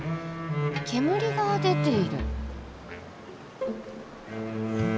煙が出ている。